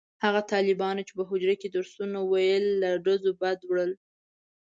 هغه طالبانو چې په حجره کې درسونه ویل له ډزو بد وړل.